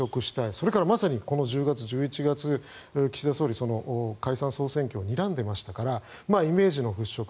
それからまさにこの１０月、１１月岸田総理は解散・総選挙をにらんでいましたからイメージの払しょく